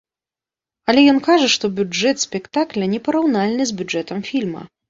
Але ён кажа, што бюджэт спектакля не параўнальны з бюджэтам фільма.